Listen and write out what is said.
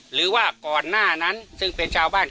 หรือว่าก่อนหน้านั้นซึ่งเป็นชาวบ้าน